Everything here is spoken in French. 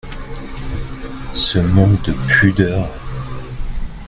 Ce manque de pudeur !…